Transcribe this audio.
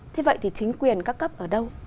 thế vậy thì chính quyền cao cấp ở đâu